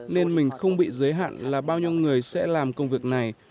nên mình không bị giới hạn là bao nhiêu người sẽ làm công việc này